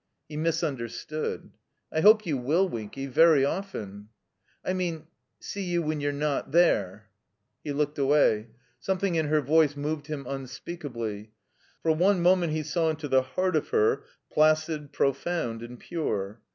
He misunderstood. "I hope you will, Winky — very often." "I mean — see you when you're not there." He looked away. Something in her voice moved him unspeakably. For one moment he saw into the heart of her — placid, profound, and pure.